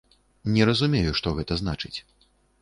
Не разумею, што гэта значыць.